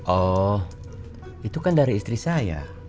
oh itu kan dari istri saya